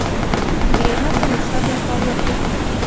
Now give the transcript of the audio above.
مېلمه ته له صبره کار واخله.